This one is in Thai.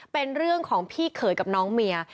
เป็นเรื่องของพี่เขยกับน้องเมีย